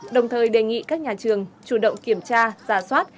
đồng thời đề nghị các nhà trường chủ động kiểm tra giả soát